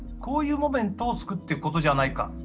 こういうモーメントを作っていくことじゃないか。